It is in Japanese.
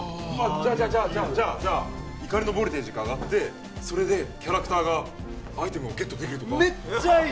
じゃあじゃあじゃあじゃあ怒りのボルテージが上がってそれでキャラクターがアイテムをゲットできるとかめっちゃいい！